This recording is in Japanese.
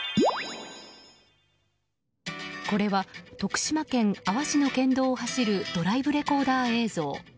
これは徳島県阿波市の県道を走るドライブレコーダー映像。